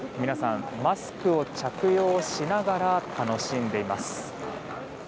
皆さん、マスクを着用しながら楽しんでいます。